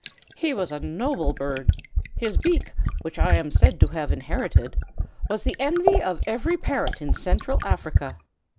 "He was a noble bird. His beak, which I am said to have inherited, was the envy of every parrot in Central Africa.